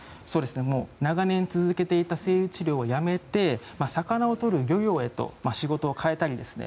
長年続けていたセイウチ猟を辞めて魚をとる漁業へと仕事を変えたりですね